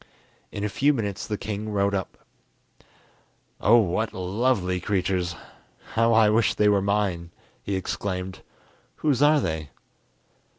In a few minutes the king rode up. "Oh, what lovely creatures! how I wish they were mine!" he exclaimed. "Whose are they?"